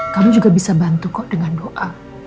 kami juga bisa bantu kok dengan doa